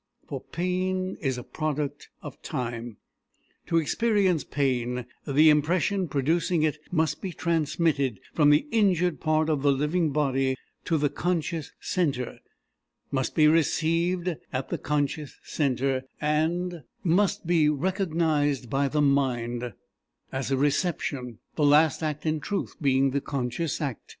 For pain is a product of time. To experience pain the impression producing it must be transmitted from the injured part of the living body to the conscious centre, must be received at the conscious centre, and must be recognized by the mind as a reception; the last act in truth being the conscious act.